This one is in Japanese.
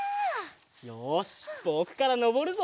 よしぼくからのぼるぞ！